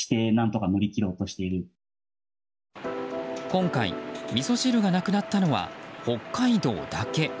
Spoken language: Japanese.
今回、みそ汁がなくなったのは北海道だけ。